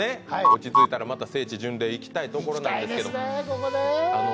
落ち着いたら聖地巡礼行きたいと思うんですけどね。